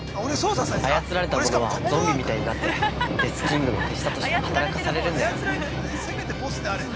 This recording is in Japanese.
操られた者はゾンビみたいなってデスキングの手下として働かされるんだよ。